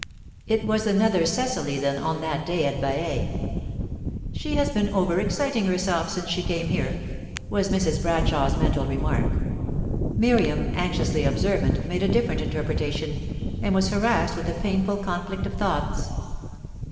It was another Cecily than on that day at Baiae. "She has been over exciting herself since she came here," was Mrs. Bradshaw's mental remark. Miriam, anxiously observant, made a different interpretation, and was harassed with a painful conflict of thoughts.